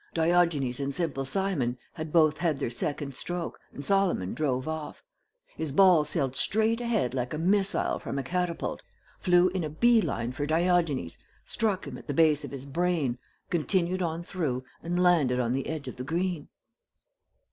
Diogenes and Simple Simon had both had their second stroke and Solomon drove off. His ball sailed straight ahead like a missile from a catapult, flew in a bee line for Diogenes, struck him at the base of his brain, continued on through, and landed on the edge of the green."